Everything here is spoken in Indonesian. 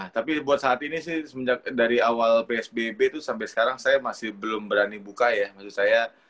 tapi buat saat ini sih dari awal psbb itu sampai sekarang saya masih belum berani buka ya maksud saya